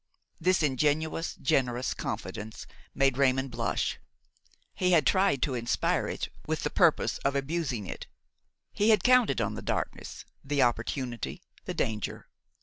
This ingenuous, generous confidence made Raymon blush. He had tried to inspire it, with the purpose of abusing it; he had counted on the darkness, the opportunity, the danger.